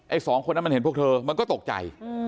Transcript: สองคนนั้นมันเห็นพวกเธอมันก็ตกใจ